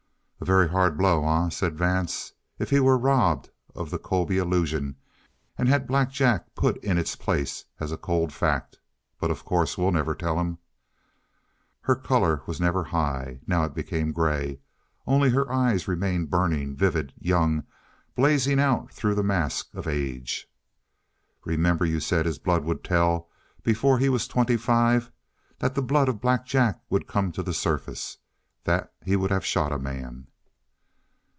"A very hard blow, eh," said Vance, "if he were robbed of the Colby illusion and had Black Jack put in its place as a cold fact? But of course we'll never tell him." Her color was never high. Now it became gray. Only her eyes remained burning, vivid, young, blazing out through the mask of age. "Remember you said his blood would tell before he was twenty five; that the blood of Black Jack would come to the surface; that he would have shot a man?"